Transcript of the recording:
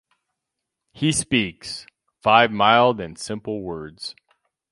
He speaks: five mild and simple words.